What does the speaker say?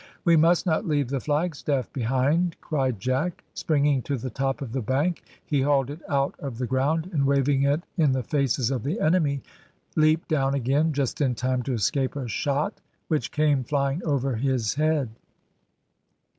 "We must not leave the flagstaff behind," cried Jack; springing to the top of the bank, he hauled it out of the ground, and waving it in the faces of the enemy, leapt down again, just in time to escape a shot which came flying over his head.